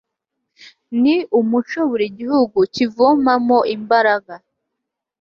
ni umuco buri gihugu kivomamo imbaraga